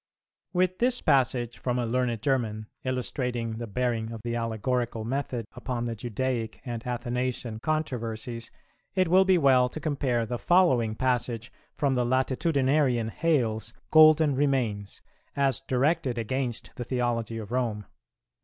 With this passage from a learned German, illustrating the bearing of the allegorical method upon the Judaic and Athanasian controversies, it will be well to compare the following passage from the latitudinarian Hale's "Golden Remains," as directed against the theology of Rome.